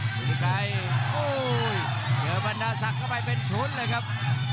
ฤทธิไกรเจอบรรดาศักดิ์เข้าไปเป็นชุดเลยครับ